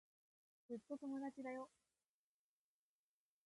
ずっと友達だよ。